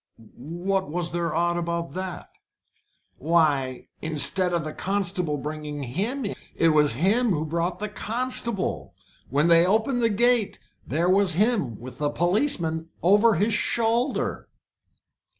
"What was there odd about that?" "Why, instead of the constable bringing him, it was him who brought the constable. When they opened the gate there was him with the policeman over his shoulder."